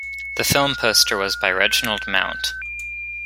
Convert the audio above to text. The film poster was by Reginald Mount.